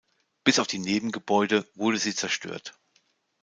Bis auf die Nebengebäude wurde sie zerstört.